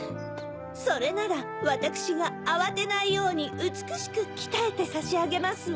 それならわたくしがあわてないようにうつくしくきたえてさしあげますわ。